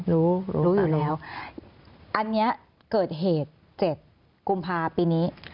รู้รู้อันนี้เกิดเหตุ๗กุมภาพีนี้